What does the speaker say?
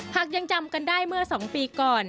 หากยังจำกันได้เมื่อ๒ปีก่อน